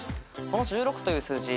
この１６という数字